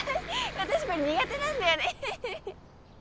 私これ苦手なんだよね。